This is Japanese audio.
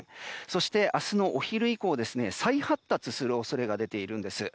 そして明日のお昼以降再発達する恐れが出ています。